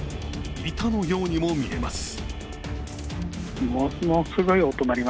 板のようにも見えます。